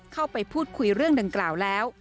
เข้าไปพูดคุยเรื่องดังกล่าวแล้ว